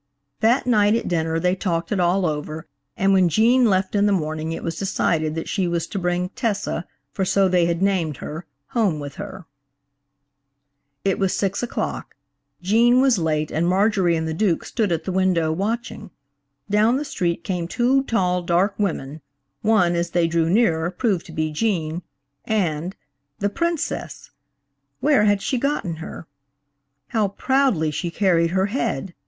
That night at dinner they talked it all over, and when Gene left in the morning it was decided that she was to bring "Tessa"–for so they had named her–home with her. It was six o'clock. Gene was late and Marjorie and the Duke stood at the window watching. Down the street came two tall, dark women; one, as they drew nearer, proved to be Gene and–the Princess! Where had she gotten her? How proudly she carried her head!